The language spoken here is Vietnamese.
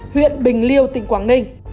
huyện bình liêu tỉnh quảng ninh